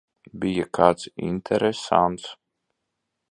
Bija kāds interesants?